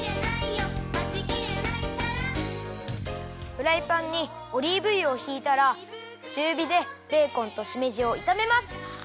フライパンにオリーブ油をひいたらちゅうびでベーコンとしめじをいためます。